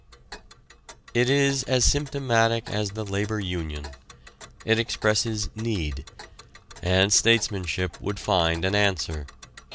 It is as symptomatic as the labor union. It expresses need. And statesmanship would find an answer.